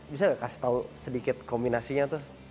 bisa nggak kasih tau sedikit kombinasinya tuh